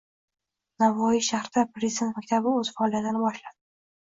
Navoiy shahrida Prezident maktabi o‘z faoliyatini boshlading